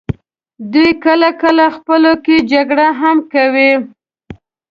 دوی کله کله خپلو کې جګړې هم کوي.